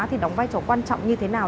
thì đóng vai trò quan trọng như thế nào